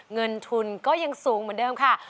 เงินทุนก็ยังสูงเหมือนเดิมค่ะ